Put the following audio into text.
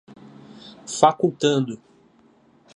facultando